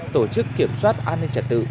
tổ chức kiểm soát an ninh trật tự